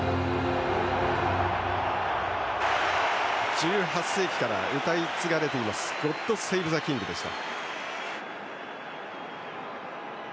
１８世紀から歌い継がれています「ゴッド・セイブ・ザ・キング」でした。